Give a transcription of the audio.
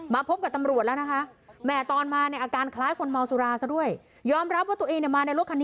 มาพบกับตำรวจแล้วนะคะแหม